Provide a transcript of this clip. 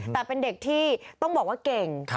แต่เป็นเด็กที่ต้องบอกว่าเก่ง